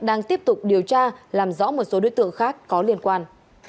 đang tiếp tục điều tra làm rõ một số đối tượng khác có liên quan